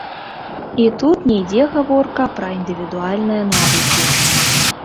І тут не ідзе гаворка пра індывідуальныя навыкі.